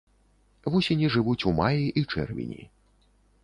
Вусені жывуць у маі і чэрвені.